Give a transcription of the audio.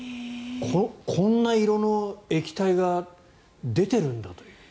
こんな色の液体が出てるんだという。